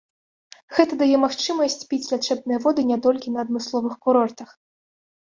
Гэта дае магчымасць піць лячэбныя воды не толькі на адмысловых курортах.